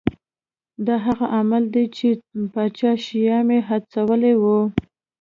دا هغه عامل دی چې پاچا شیام یې هڅولی و.